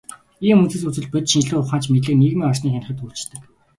Ийм өнцгөөс үзвэл, бодит шинжлэх ухаанч мэдлэг нийгмийн орчныг хянахад үйлчилдэг.